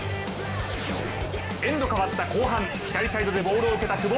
エンド変わった後半左サイドでボールを受けた久保。